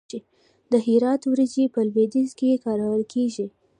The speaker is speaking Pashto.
د هرات وریجې په لویدیځ کې کارول کیږي.